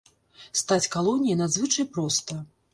Стаць калоніяй надзвычай проста.